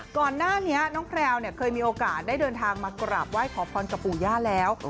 ก่อนหน้านี้น้องแพลวเนี่ยเคยมีโอกาสได้เดินทางมากราบไหว้ขอพรกับปู่ย่าแล้ว